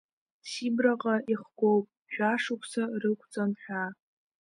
Сибраҟа ихгоуп, жәашықәса рықәҵан, ҳәа.